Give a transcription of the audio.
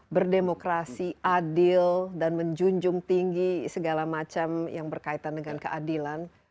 berdemokrasi adil dan menjunjung tinggi segala macam yang berkaitan dengan keadilan